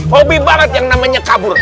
hobi barat yang namanya kabur